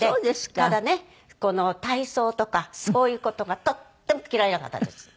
ただねこの体操とかそういう事がとっても嫌いな方です。